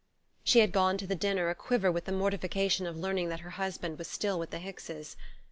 She had gone to the dinner a quiver with the mortification of learning that her husband was still with the Hickses.